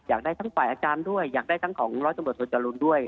อยากได้ทั้งฝ่ายอาจารย์ด้วยอยากได้ทั้งของร้อยตำรวจโทจรูลด้วย